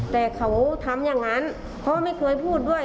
แต่เขาทำอย่างนั้นเพราะไม่เคยพูดด้วย